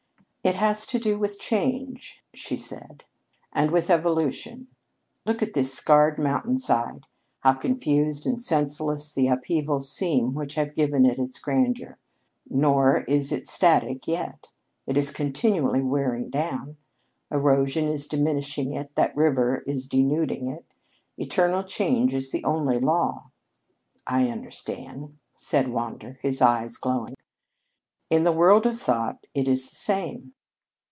"It has to do with change," she said. "And with evolution. Look at this scarred mountain side, how confused and senseless the upheavals seem which have given it its grandeur! Nor is it static yet. It is continually wearing down. Erosion is diminishing it, that river is denuding it. Eternal change is the only law." "I understand," said Wander, his eyes glowing. "In the world of thought it is the same."